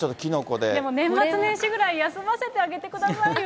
でも年末年始ぐらい休ませてあげてくださいよ。